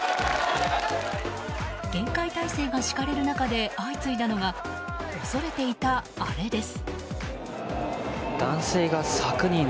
厳戒態勢が敷かれる中で相次いだのが恐れていたアレです。